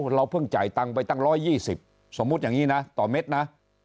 เราเพิ่งจ่ายตังค์ไปตั้ง๑๒๐สมมุติอย่างนี้นะต่อเม็ดนะ